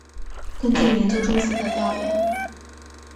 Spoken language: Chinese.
根据研究中心的调研